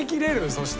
そして。